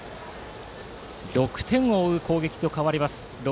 ６点を追う攻撃に変わります